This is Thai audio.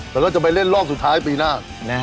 แล้วก็จะไปเล่นรอบสุดท้ายปีหน้า